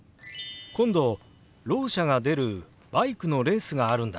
今度ろう者が出るバイクのレースがあるんだ。